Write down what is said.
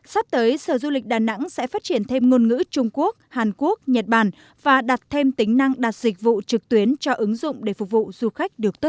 sắp tới sở du lịch đà nẵng sẽ phát triển thêm ngôn ngữ trung quốc hàn quốc nhật bản và đặt thêm tính năng đặt dịch vụ trực tuyến cho ứng dụng để phục vụ du khách được tốt hơn